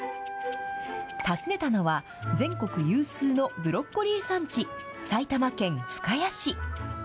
訪ねたのは、全国有数のブロッコリー産地、埼玉県深谷市。